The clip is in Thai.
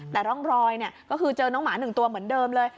แต่รองรอยเนี่ยก็คือเจอน้องหมาหนึ่งตัวเหมือนเดิมเลย